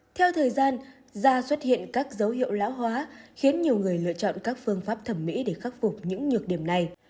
theo thời gian da xuất hiện các dấu hiệu lão hóa khiến nhiều người lựa chọn các phương pháp thẩm mỹ để khắc phục những nhược điểm này